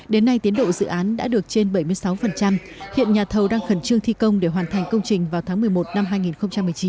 đến nay tiến độ dự án đã được trên bảy mươi sáu hiện nhà thầu đang khẩn trương thi công để hoàn thành công trình vào tháng một mươi một năm hai nghìn một mươi chín